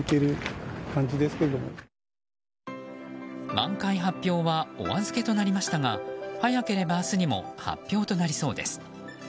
満開発表はお預けとなりましたが早ければ明日にも発表となりそうです。